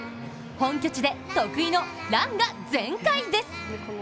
本拠地で得意のランが全開です。